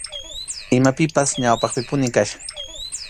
Imapipas ñawpaqpipuni kachkan.